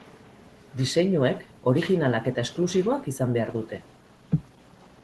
Diseinuek orijinalak eta esklusiboak izan behar dute.